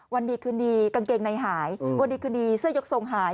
วันดีคืนดีกางเกงในหายวันดีคืนดีเสื้อยกทรงหาย